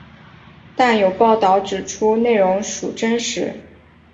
但有报导指出内容属真实。